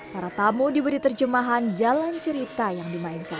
para tamu diberi terjemahan jalan cerita yang dimainkan